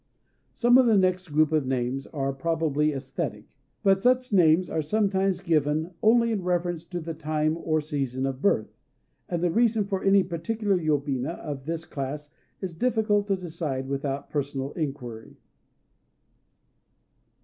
Some few of the next group of names are probably æsthetic. But such names are sometimes given only in reference to the time or season of birth; and the reason for any particular yobina of this class is difficult to decide without personal inquiry.